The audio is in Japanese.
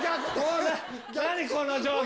何この状況。